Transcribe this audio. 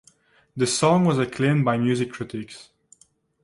The song was acclaimed by music critics.